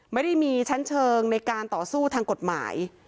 ไม่ได้มีชั้นเชิงในการต่อสู้ทางกฎหมาย